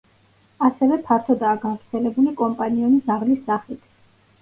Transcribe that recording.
ასევე, ფართოდაა გავრცელებული კომპანიონი ძაღლის სახით.